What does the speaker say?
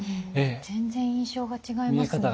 全然印象が違いますね。